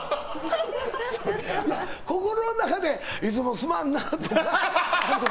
心の中でいつもすまんなとか。